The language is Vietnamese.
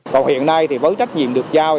còn hiện nay thì với trách nhiệm được giao